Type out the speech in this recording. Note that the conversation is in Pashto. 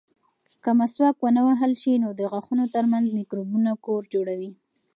که مسواک ونه وهل شي، نو د غاښونو ترمنځ مکروبونه کور جوړوي.